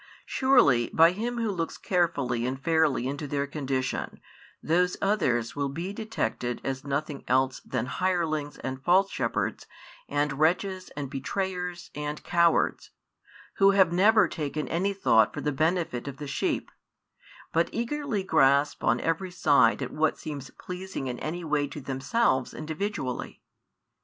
Surely, by him who looks carefully and fairly into their condition, those others will be detected as nothing else than hirelings and false shepherds and wretches and betrayers and cowards, who have never taken any thought for the benefit of the sheep, but eagerly grasp on every side at whatever seems pleasing in any way to themselves individually.